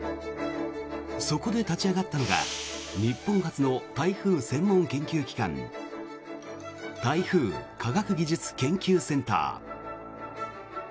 そこで立ち上がったのが日本初の台風専門研究機関台風科学技術研究センター。